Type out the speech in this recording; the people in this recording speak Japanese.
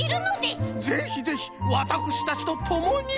ぜひぜひわたくしたちとともに。